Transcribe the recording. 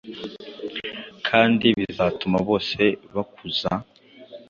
kandi bizatuma bose bakuza